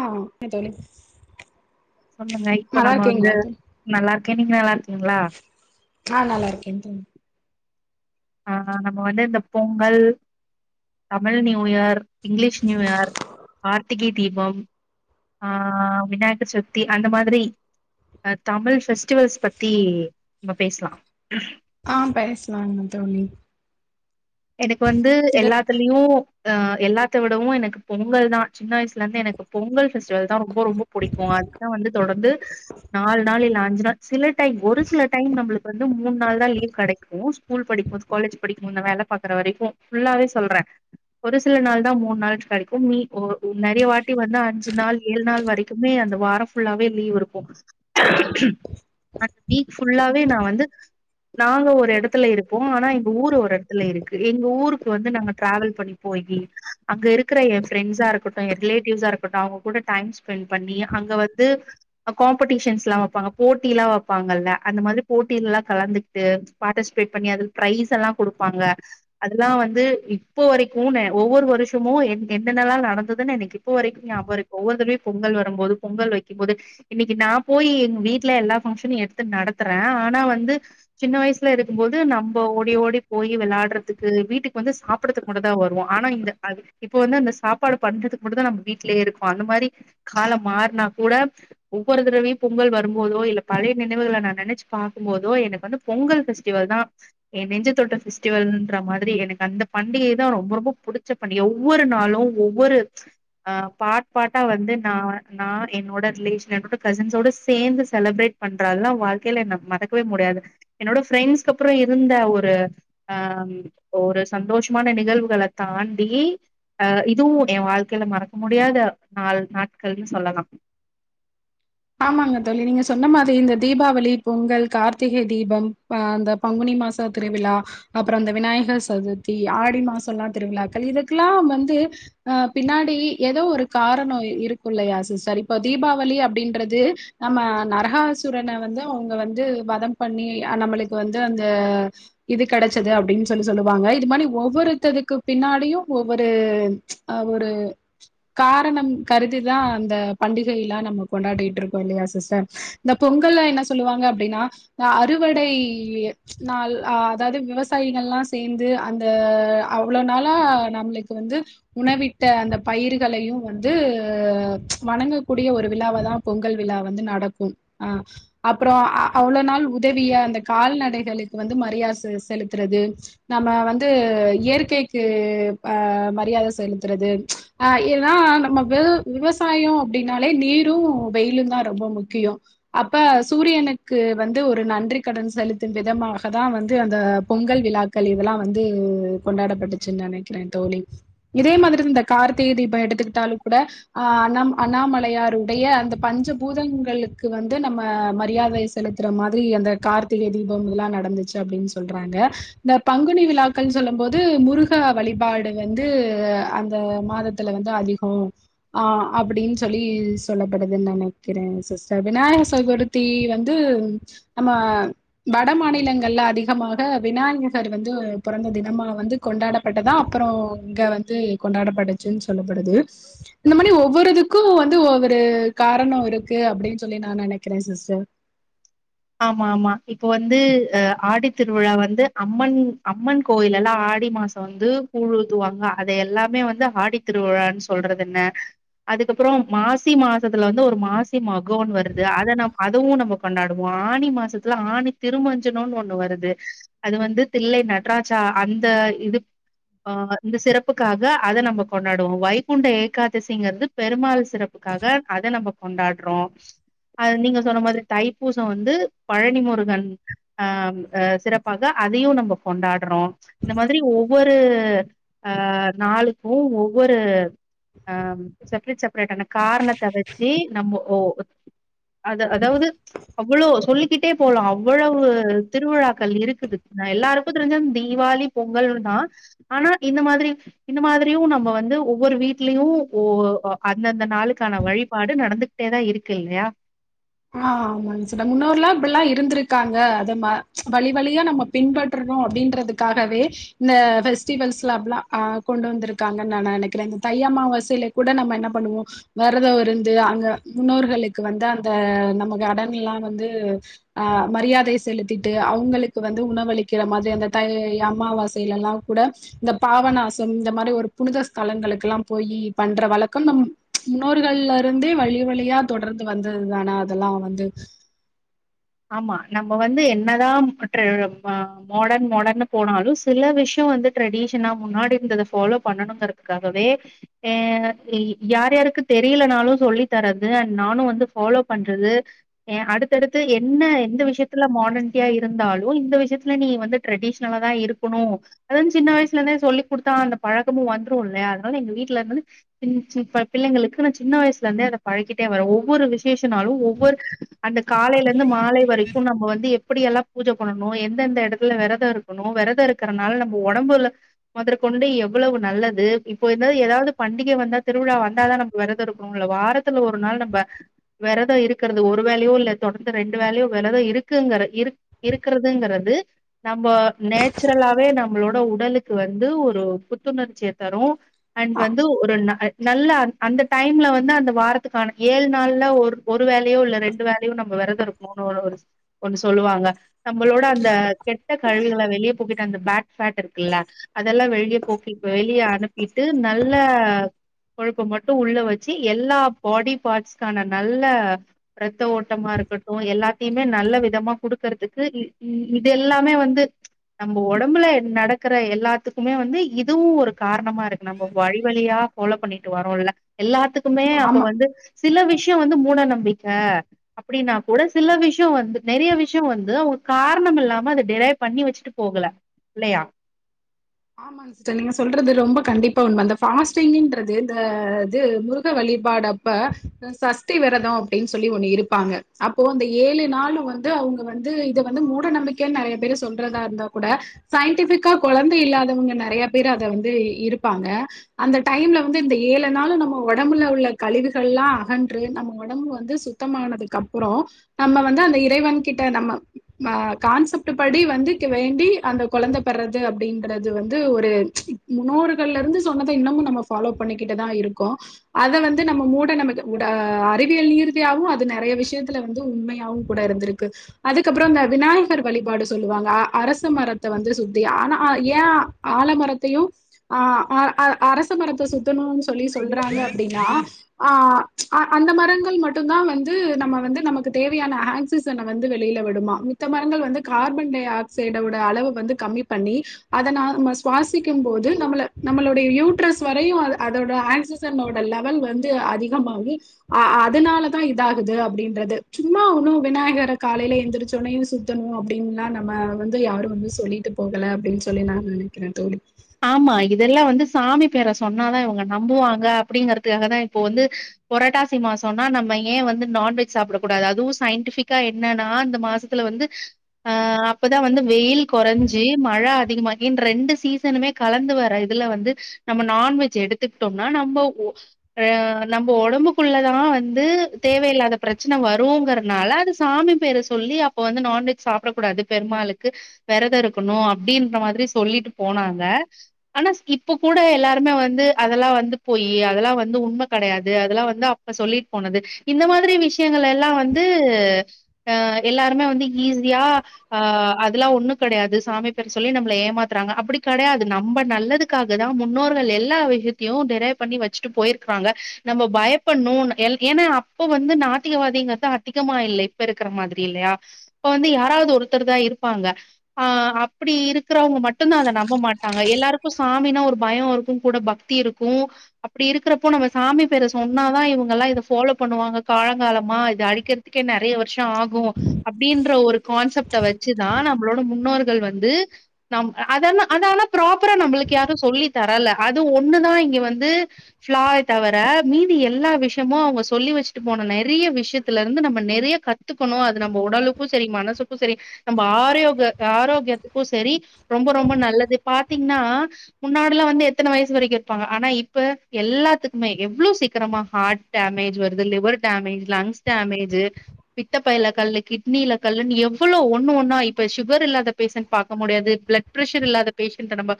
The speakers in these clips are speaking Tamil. ஆ எந் தோழி சொல்லுங்க இப்போ நல்லா நம்ம வந்து இருக்கீங்களா தோழி நல்லாருக்கேன் நீங்க நல்லா இருக்கிங்ளா ஆ நல்லாருக்கேன் தோழி ஆ நம்ம வந்து இந்த Pongal Tamil new year English new year Karthigai Deepam ஆ விநாயகர் சதுர்தி அந்த மாரி ஹ தமிழ் பெஸ்டிவல்ஸ் பத்தி நம்ம பேசலாம் ஆ பேசலாங்க தோழி எனக்கு வந்து இந்த எல்லாத்துலயு ஆ எல்லாத்த விடவும் எனக்கு பொங்கல் தா சின்ன வயிசுல இருந்து எனக்கு பொங்கல் பெஸ்டிவல் தா ரொம்ப ரொம்ப புடிக்கும் அதுதா வந்து தொடர்ந்து நாலு நாள் அஞ்சு நாள் சில டைம் ஒரு சில டைம் நம்மளுக்கு வந்து மூணு நாள் தா லீவ் கெடைக்கும் ஸ்கூல் படிக்கும்பது காலேஜ் படிக்கும் வேலை பாக்கற வரைக்கும் ஃபுல்லாவே சொல்றே ஒரு சில நாள் தான் மூண் நாள் கெடைக்கு நீ ஓ ஓ நெறைய வாட்டி வந்து அஞ்சு நாள் ஏழு நாள் வரைக்குமே அந்த வாரம் ஃபுல்லாவே லீவ் இருக்கும் அந்த வீக் ஃபுல்லாவே நா வந்து நாங்க ஒரு எடத்துல இருப்போம் ஆனா இங்க ஊரு ஒரு எடத் துல இருக்கு எங்க ஊருக்கு வந்து நாங்க டிராவல் பண்ணி போயி அங்க இருக்கிற ஏ ஃப்ரெண்ட்ஸா இருக்கட்டும் ஏ ரிலேட்டிவ்ஸா இருக்கட்டும் அவுங்க கூட டைம்ஸ்பெண்ட் பண்ணி அங்க வந்து அகோம்படிஷன்ஸ் எல்லா வைப்பாங்க போட்டில்லா வைப்பாங்கல்ல அந்த மாரி போட்டில எல்லா கலந்து கிட்டு பார்ட்டிசிபேட் பண்ணி அதுல பிரைஸ் எல்லா குடு பாங்க அதுல்லா வந்து இப்போ வரைக்கும் நே ஒவ்வொரு வருஷமும் என் என்னல்லா நடந்ததுன்னு எனக்கு இப்போ வரைக்கும் அப்ப வரைக்கும் ஒவ்வொரு தடவயு பொங்கல் வரும்போது பொங்கல் வைக்கிபோது இன்னைக்கு நா போயி எங்க வீட்ல எல்லா பங்க்ஷனும் எடுத்து நடத்துறே ஆனா வந்து சின்ன வயிசுல இருக்கும்போது நம்ப ஓடி ஓடி போயி விளையாடுறதுக்கு வீட்டுக்கு வந்து சாப்புடறதுக்கு மட்டு தா வருவோம் ஆனா இந்த அது இப்ப வந்து அந்த சாப்பாடு பண்றதுக்கு மட்டு தா நம்ம வீட்லயே இருக்கும் அந்த மாரி காலம் மாற்னா கூட ஒவ்வொரு தடவையும் பொங்கல் வரும்போதோ இல்ல பழைய நினைவுகளை நா நெனைச்சு பாக்கும் போதோ எனக்கு வந்து பொங்கல் பெஸ்டிவல் தா ஏ நெஞ்ச தொட்ட பெஸ்டிவல்ன்ற மாதிரி எனக்கு அந்த பண்டிகைதா ரொம்ப ரொம்ப புடிச்ச பண்டிகை ஒவ்வொரு நாளும் ஒவ்வொரு ஆ பாட் பாட்டா வந்து நா நா என்னோட ரிலேஷன் என்னோட கசின்ஸோட சேந்து செலபிரேட் பண்றதுல்லா வாழ்க்கைல என்ன மறக்கவே முடியாது என்னோட ஃப்ரெண்ட்ஸ்கு அப்புறம் இருந்த ஒரு அ ஒரு சந்தோஷமான நிகழ்வுகள தாண்டி அ இதுவும் ஏ வாழ்க்கைல மறக்க முடியாத நாலு நாட்கள்னு சொல்லலாம் ஆமாங்க தோழி நீங்க சொன்ன மாரி இந்த தீபாவளி பொங்கல் கார்த்திகை தீபம் அ அந்த பங்குனி மாசா திருவிழா அப்புற அந்த விநாயகர் சதுர்த்தி ஆடி மாசோல்லா திருவிழாக்கள் இதுக்கெல்லா வந்து ஹ பின்னாடி ஏதோ ஒரு காரணம் இருக்கும் இல்லையா சிஸ்டர் இப்போ தீபாவளி அப்பிடின்ற து நம்ம நரகாசுரனை வந்து அவுங்க வந்து வதம் பண்ணி நம்மளுக்கு வந்து அந்த இது கிடைச்சது அப்பிடின்னு சொல்லி சொல்லுவாங்க இது மாரி ஒவ்வொருத்தருக்கு பின்னாடியும் ஒவ்வொரு ஒரு காரணம் கருதிதா அந்த பண்டிகைய எல்லா நம்ம கொண்டாடி இருக்கும் இல்லயா சிஸ்டர் இந்த பொங்கல்லா என்ன சொல்லுவாங்க அப்பிடின்னா அறுவடை நாள் அதாவுது விவசாயிங்கல்லா சேந்து அந்த அவ்ள நாளா நம்மளுக்கு வந்து உணவிட்ட அந்த பயிர்களையு வந்து வணங்க கூடிய ஒரு விழா வாதா பொங்கல் விழா வந்து நடக்கும் ஆ அப்புற அவ்ள நாள் உதவிய அந்த கால்நடைகளுக்கு வந்து மரியாத செ செலுத்துறது நம்ம வந்து இயற்கைக்கு ஆ மரியாத செலுத்துறது ஆ ஏன்னா நம்ம விவ விவசாயம் அப்பிடின்னாலே நீரும் வெயிலுந்தா ரொம்ப முக்கியம் அப்ப சூரியனுக்கு வந்து ஒரு நன்றி கடன் செலுத்தும் விதமாக தா வந்து அந்த பொங்கல் விழாக்கள் இதெல்லா வந்து கொண்டாடப்பட்டுச்சுன்னு நெனக்கிறே தோழி இதே மாதிரி இந்த கார்த்திகை தீப எடுத்துக்கிட்டாலுங் கூட ஹ அண்ணா அண்ணாமலையார் உடைய அந்த பஞ்ச பூதங்களுக்கு வந்து நம்ம மரியாதை செலுத்துற மாரி அந்த கார்த்திகை தீபம் இதெல்லா நடந்துச்சு அப்பிடின்னு சொல்றாங்க இந்த பங்குனி விழாக்கள்னு சொல்ல போது முருக வழிபாடு வந்து அந்த மாதத்துல வந்து அதிகோ ஹ அப்பிடின்னு சொல்லி சொல்லப்படு நெனக்கிறேன் சிஸ்டர் விநாயகர் சதுர்த்தி வந்து நம்ம வட மாநிலங்கள்ல அதிகமாக விநாயகர் வந்து பொறந்த தினமா வந்து கொண்டாட பட்டதா அப்புற இங்க வந்து கொண்டாடப்படுச்சுன்னு சொல்லப்படுது இந்த மாரி ஒவ்வொருதுக்கும் வந்து ஒவ்வொரு காரணோ இருக்கு அப்பிடின் சொல்லி நா நெனைக்கிறே சிஸ்டர் ஆமா மா இப்ப வந்து ஹ ஆடி திருவிழா வந்து அம்மன் அம்மன் கோயில் எல்லா மாசம் வந்து கூழ் ஊத்து வாங்க அத எல்லாமே வந்து ஆடி திருவிழான்னு சொல்றது என்ன அதுக்கப்புறம் மாசி மாசத்துல வந்து ஒரு மாசி மகோன் வருது அத நம்ம அதுவும் நம்ம கொண்டாட் ஆணி மாசத்துல ஆணி திருமஞ்சனோன் ஒண்ணு வருது அது வந்து தில்லை நடராஜா அந்த இது ஆ இந்த சிறப்புக்காக அத நம்ம கொண்டாடுவோ வைகுண்ட ஏகாதேசிங்கறது பெருமாள் சிறப்புக்காக அத நம்ம கொண்டாடுறோ நீங்க சொன்ன மாதிரிதா தை பூசம் வந்து பழனி முருகன் ஆ ஹ சிறப்பாக அதையு நம்ம கொண்டாடுறோம் இந்த மாதிரி ஒவ்வொரு ஆ நாளுக்கு ஒவ்வொரு ஆ செப்ரேட் செப்ரேடான காரணத்த வச்சு நம்ம ஓ அது அதாவுது அவ்வுளோ சொல்லிக்கிட்டே போலா அவ்ளவு திருவிழாக்கள் இருக்குது நா எல்லாருக்கு தெரிஞ்சது தீபாளி பொங்கல் தா ஆனா இந்த மாதிரி இந்த மாதிரியு நம்ம வந்து ஒவ்வொரு வீட்லயு ஓ அந்தந்த நாளுக்கான வழிபாடு நடந்துகிட்டேதா இருக்கு இல்லயா ஆ ஆமாங்சர் முன்னோர்லா அப்புடல்லா இருந்திருக்காங்க அத வழி வழியா நம்ம பின்பற்றணு அப்பிடின்றதுக்காகவே இந்த பெஸ்டிவல்ஸ்லா அப்புலா ஹ கொண்டு வந்திருக்காங்கன்னு நா நெனைக்கிறேன் இந்த தை அம்மா வாசைல கூட நம்ம என்ன பண்ணுவோ விரத இருந்து அங்க முன்னோர்களுக்கு வந்து அந்த இந்த நமக்கு கடன்லா வந்து ஹ மரியாதை செலுத்திட்டு அவுங்களுக்கு வந்து உணவளிக்கிற மாரி அந்த தை அமாவாசையில்லலாங் கூட இந்த பாவநாசம் இந்த மாரி ஒரு புனித ஸ்தலங்களுக்குல்லா போயி பண்ற வழக்கம் நம் முன்னோர்கள்ல இருந்தே வழி வழியா தொடர்ந்து வந்து தது தானா அதுல்லா வந்து ஆமா நம்ம வந்து என்னதான் ட்ரெ மாடர்ன் மாடர்னு போனாலும் சில விஷய வந்து ட்ரெடிஷனா முன்னாடி இருந்தத ஃபாலோ பண்ணணுங்கறதுகாகவே ஏ யார் யாருக்கு தெரியலனாலும் சொல்லி தரது அண்ட் நானு வந்து ஃபாலோ பண்றது ஏ அடுத்தடுத்து எ என்ன எந்த விஷயத்துல மாடன்டியா இருந்தாலும் இந்த விஷயத்துல நீ வந்து ட்ரெடிஷனல தா இருக்கணு அதந்து சின்ன வயிசுல இருந்தே சொல்லி குடுத்தா அந்த பழக்கமும் வந்துரும் இல்லயா அதுனால எங்க வீட்ல இருந்து சின் ப பிள்ளைங்களுக்கு நா சின்ன வயிசுல இருந்தே அத பழகிட்டே வரேன் ஒவ்வொரு விசேஷனாலும் ஒவ்வொரு அந்த காலை வந்து மாலை வரைக்கும் நம்ம வந் எப்பிடி எல்லா பூஜை பண்ணணும் எந்தெந்த எடத்துல விரத இருக்கணு விரத இருக்கறனால நம்ம ஒடம்புல முதர் கொண்டு எவ்ளவு நல்லது இப்போ இந்தாது ஏதாவுது பண்டிகை வந்தா திருவிழா வந்தாதா நம்ம விரத இருக்கணு இல்ல வாரத்துல ஒரு நாள் நம்ப விரதோ இருக்கறது ஒரு வேலையோ இல்ல தொடர் இந்த ரெண்டு வேலையு விரத இருக்குங்கற இருக் இருக்கறதுங்கறது நம்ம நேச்சுரலாவே நம்மளோட உடலுக்கு வந்து ஒரு புத்துணர்ச்சிய தரும் அண்ட் வந்து ஒரு நாள் நல்லா அந்த டைம்ல வந்து அந்த வாரத்துக்கான ஏழ் நாள்ல ஒரு ஒரு வேலையோ இல்ல ரெண்டு வேலையோ நம்ம விரத் த இருக்கனு ஓனோ ஒன்னு சொல்லுவாங்க நம்மளோட அந்த கெட்ட கழிவுகள வெளிய போக்கிட்டு அந்த பேட் ஃபேட் இருக்குல்ல அதெல்லா வெளிய போக்கி வெளியே அனுப்பிட்டு நல்ல கொழுப்ப மட்டு உள்ள வச்சு எல்லா பாடி பார்ட்ஸ்கான நல்ல ரத்த ஓட்டமா இருக்கட் டு‌ எல்லாத்தையுமே நல்ல விதமா குடுக்கற்துக்கு இ இது எல்லாமே வந்து நம்ம ஒடம்புல நடக்குற எல்லாத்துக்குமே வந்து இதுவு ஒரு காரணமா இருக்கு நம்ம வழி வழியா ஃபாலோ பண்ணிட்டு வரோல்ல எல்லாத்துக் குமே அப்ப ஆமா வந்து சில விஷ்யோ வந்து மூட நம்பிக்க அப்டின்னா கூட சில விஷ்யொ வந்து நெறைய விஷ்யொ வந்து அவுங்க காரணம் இல்லாம அத டெலேவ் பண்ணி வச்சுட்டு போகல இல்லயா ஆமாங்க சிஸ்டர் நீங்க சொல்றது ரொம்ப கண்டிப்பா உண்ம இந்த ஃபாஸ்டிங்குன்றது இந்த‌ து முருக வழிபாடு அப்ப சஸ்டி வெரதொ அப்டின் சொல்லி ஒன்னு இருப்பாங்க அப்போ அந்த ஏழு நாளு வந்து அவுங்க வந்து இத வந்து மூட நம்பிக்கன் நெறைய பேரு சொல்றதா இருந்தா கூட சயின்டிஃபிக்கா கொழந்தை இல்லா தவுங்க நெறைய பேரு அத வந்து இருப்பாங்க அந்த டைம்ல வந்து இந்த ஏழு நாளு நம்ம ஒடம்புல உள்ள கழிவுகள்லா அகன்று நம்ம ஒடம்பு வந்து சுத்தமானதுக்கப்புறொ‌ நம்ம வந்து அந்த இறைவன் கிட்ட நம்ம ஆ கான்செப்ட்டு படி வந்து வேண்டி அந்த கொழந்த பெர்றது அப்டின் றது வந்து ஒரு முன்னோர்கள்லருந்து சொன்னத இன்னமு நம்ம ஃபாலோ பண்ணிக்கிட்டுதா இருக்கோ அத வந்து நம்ம மூட நமக்கு உட அறிவியல் நீறுதியாவு அது நறைய விஷ்யத்துல வந்து உண்மையாவு கூட இருந்துருக்கு அதுக்கப்புறொ இந்த விநாயகர் வழிபாடு சொல்லுவாங்க அரச மரத்த வந்து சுத்தி ஆனா அ ஏ ஆலமரத்தயு அ அ அ அர ச மரத்த சுத்தணுன் சொல்லி சொல்றாங்க அப்டின்னா ஆ அ அந்த மரங்கள் மட்டுந்தா வந்து நம்ம வந்து நமக்கு தேவையான ஆக்சிசன வந்து வெளில விடுமா மித்த மரங்கள் வந்து கார்பன் டை ஆக்சைடோட அளவ வந்து கம்மி பண்ணி அதனாம சுவாசிக்கும் போது நம்மள நம்மளோடைய யூட்ரஸ் வரையு அ அதோட ஆக்சிசனோட லெவல் வந்து அதிகமாகி அ அதனாலதா இதாகுது அப்டின்றது சும்மா ஒன்னு விநாயகர காலைல எந்திரிச்சொனயு சுத்தணு அப்டின்லா நம்ம வந்து யாரு வந்து சொல்லிட்டு போகல அப்டின் சொல்லி நா நனைக்கிறே தோழி ஆமா இதெல்லா வந்து சாமி பேர சொன்னாதா இவுங்க நம்புவாங்க அப்டிங்கறதுக்காக தா இப்பொ வந்து பொரட்டாசி மாசொன்னா நம்ம ஏ வந்து நான்வெஜ் சாப்புடக் கூடாது அதுவு சயின்டிஃபிக்கா என்னனா இந்த மாசத்துல வந்து அ அப்பதா வந்து வெயில் கொறஞ்சு மழ அதிகமாகி ரெண்டு சீ சனுமே கலந்து வர இதுல வந்து நம்ம நான்வெஜ் எடுத்துக்குட்டோன்னா நம்ம ஒ ஆ நம்ம ஒடம்புக்குள்ளதா வந்து தேவையில்லாத பிரச்சன வருங்குறனால அது சாமி பேர சொல்லி அப்ப வந்து நான்வெஜ் சாப்புடக் கூடாது பெருமாளுக்கு வெரத இருக்கனு அப்டின்ற மாதிரி சொல்லிட்டு போனாங்க ஆனா இப்ப கூட எல்லாருமே வந்து அதல்லா வந்து பொய்யி அதல்லா வந்து உண்ம கடயாது அதல்லா வந்து அப்ப சொல்லிட் போனது இந்த மாதிரி விஷ்யங்கள் எல்லா வந்து அ எல்லாருமே வந்து ஈஸியா ஆ அதல்லா ஒன்னு கடையாது சாமி பேர் சொல்லி நம்மள ஏமாத்துறாங்க அ ப்புடி கடையாது நம்ப நல்லதுக்காக தா முன்னோர்கள் எல்லா விஷ்யத்தையு டெரே பண்ணி வச்சுட்டு போயிருக்குறாங்க நம்ப பயப்பட்ணு‌ எல் ‌ஏனா அப்ப வந்து நாத்திகவாதிங்கற்து அதிகமா இல்ல இப்ப இருக்குற மாதிரி இல்லயா அப்ப வந்து யாராவுது ஒருத்தர் தா இருப்பாங்க ஆ அப்புடி இருக்குறவுங்க மட்டுந்தா அத நம் ப மாட்டாங்க எல்லாருக்கு சாமினா ஒரு பயம் இருக்கு கூட பக்தி இருக்கு அப்டி இருக்குறப்போ நம்ம சாமி பேர சொன்னாதா இவுங்கல்லா இத ஃபாலோ பண்ணுவாங்க காலங்காலமா இது அழிக்கிறதுக்கே நறைய வருஷ ஆகு அப்டின்ற ஒரு கான்செப்ட வச்சுதா நம்மளோட முன்னோர்கள் வந்து நம் அதல்லா அதானா‌ ப்ராப்பரா நம்மளுக்கு யாரு சொல்லி தரல அது ஒன்னுதா இங்க வந்து ஃப்ளாவே தவிர மீதி எல்லா விஷ்யமு அவுங்க சொல்லி வச்சுட்டு போன நெறைய விஷ்யத்துலருந்து நம்ம நெறைய கத்துக்கனு அது நம்ம உடலுக்கு செரி மனசுக்கு ‌செரி நம்ம ஆர்யோக ஆரோக்கியத்துக்கு செரி ரொம்ப ரொம்ப நல்ல இது பாத்தீங்னா முன்னாடிலா வந்து எத்தன வயசு வரைக்கு இருப்பாங்க ஆனா இப்ப எல்லாத்துக்குமே எவ்ளோ சீக்கிரமா ஹார்ட் டேமேஜ் வருது லிவர் டேமேஜ் லங்ஸ் டேமேஜு பித்தப்பைல கல்லு கிட்னில கல்லுன் எவ்வளோ ஒன்னு ஒன்னா இப்ப ஷுகர் இல்லாத பேஷன்ட் பாக்க முடியாது பிளட் ப்ரஷர் இல்லாத பேஷண்ட நம்ப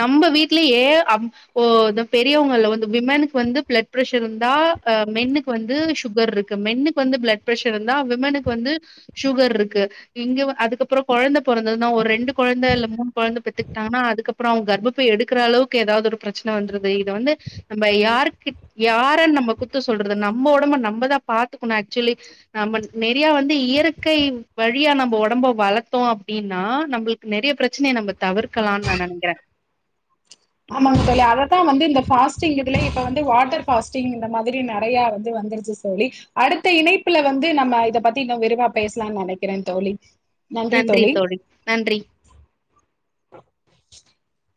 நம்ப வீட்லயே அம் ஓ இந்த பெரியவங்கள்ல வந்து விமனுக்கு வந்து பிளட் ப்ரஷர் இருந்தா அ மென்னுக்கு வந்து ஷுகர்ருக்கு மென்னுக்கு வந்து பிளட் ப்ரஷர் இருந்தா விமனுக்கு வந்து ஷுகர்ருக்கு இங்க அதுக்கப்புறொ கொழந்த பொறந்ததுனு ஒரு ரெண்டு கொழந்த இல்ல மூணு கொழந்த பெத்து க்டாங்னா அதுக்கப்றொ அவுங்க கர்ப்பபை எடுக்குற அளவுக்கு எதாவுது ஒரு பிரச்சன வந்தருது இத வந்து நம்ப யாருக்கிட் யார நம்ம குத்தொ சொல்றது நம்ம ஒடம்ப நம்பதா பாத்துக்கணு ஆக்சுவலி நம்ப நெறையா வந்து இயற்கை வழியா நம்ப ஒடம்ப வளத்தோ அப்டின்னா நம்புளுக் நெறைய ப்ரெச்சனய நம்ப தவிர் கலான் நா நனக்கிற ஆமாங் தோழி அததா வந்து இந்த ஃபாஸ்டிங் இதுல இப்ப வந்து வாட்டர் ஃபாஸ்டிங் இந்த மாதிரி நெறைய வந்து வந்துருச்சு தோழி அடுத்த இணைப்புல வந்து நம்ம இத பத்தி இன்னு விரிவா பேசலா நெனக்கிறே தோழி நன்றி தோழி நன்றி [unintelligible]